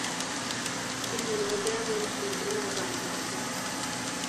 Ich bin genau der Mensch, der ich immer sein sollte.